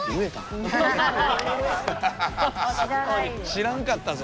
知らんかったぞ